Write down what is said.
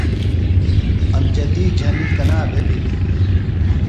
امجدی جھنیۡ کنا بھے بِھلیۡ؟